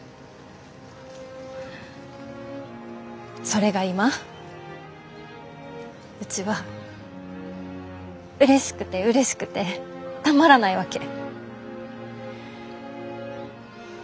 それが今うちはうれしくてうれしくてたまらないわけ。